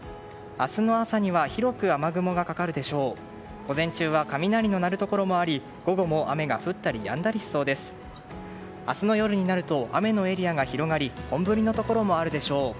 明日の夜になると雨のエリアが広がり本降りのところもあるでしょう。